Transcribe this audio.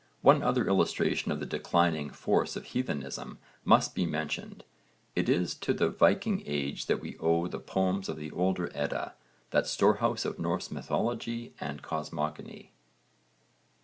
One other illustration of the declining force of heathenism must be mentioned. It is to the Viking age that we owe the poems of the older Edda, that storehouse of Norse mythology and cosmogony.